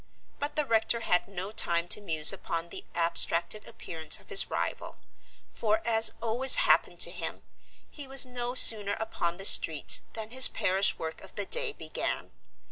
But the rector had no time to muse upon the abstracted appearance of his rival. For, as always happened to him, he was no sooner upon the street than his parish work of the day began.